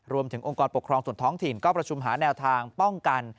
รวมถึงองค์กรปกครองส่วนท้องถิ่นก็ประชุมหาแนวทางป้องกัน